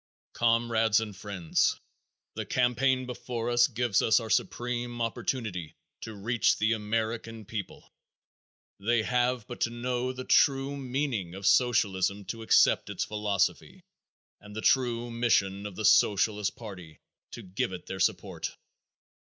_ Comrades and friends, the campaign before us gives us our supreme opportunity to reach the American people. They have but to know the true meaning of Socialism to accept its philosophy and the true mission of the Socialist party to give it their support.